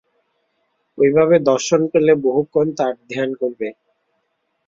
ঐভাবে দর্শন পেলে বহুক্ষণ তার ধ্যান করবে।